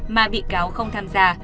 mà bị cáo không tham gia